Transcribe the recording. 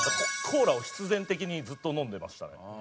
コーラを必然的にずっと飲んでましたね。